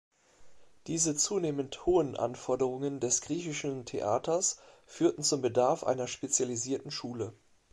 Diese zunehmend hohen Anforderungen des griechischen Theaters führten zum Bedarf einer spezialisierten Schule.